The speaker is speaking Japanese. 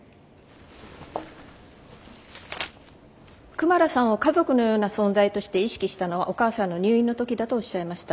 クマラさんを家族のような存在として意識したのはお母さんの入院の時だとおっしゃいました。